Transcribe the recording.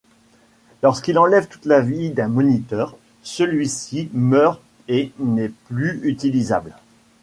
Lorsqu'il enlève toute la vie d'un moniteur, celui-ci meurt et n'est plus utilisable.